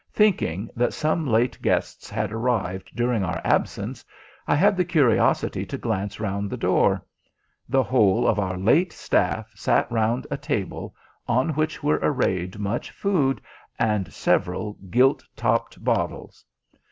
Thinking that some late guests had arrived during our absence, I had the curiosity to glance round the door. The whole of our late staff sat round a table, on which were arrayed much food and several gilt topped bottles.